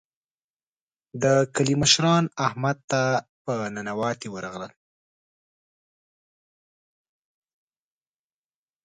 د کلي مشران احمد ته ننواتې ورغلل.